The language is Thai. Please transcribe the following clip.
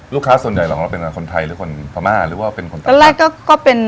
ลูกค้าส่วนใหญ่หรือเป็นคนไทยหรือคนภามาหรือเป็นคนต่างชาติ